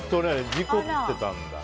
事故ってたんだ。